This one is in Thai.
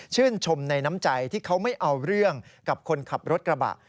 ชมในน้ำใจที่เขาไม่เอาเรื่องกับคนขับรถกระบะ